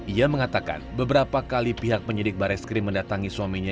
ia mengatakan beberapa kali pihak penyidik bareskrim mendatangi suaminya